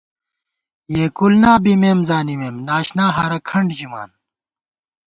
یېکُول نا بِمېم زانِمېم ، ناشنا ہارہ کھنٹ ژِمان